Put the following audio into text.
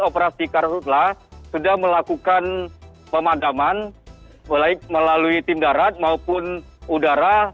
operasi karhutlah sudah melakukan pemadaman baik melalui tim darat maupun udara